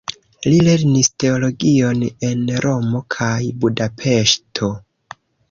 Li lernis teologion en Romo kaj Budapeŝto.